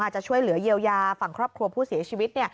จะช่วยเหลือเยียวยาฝั่งครอบครัวผู้เสียชีวิต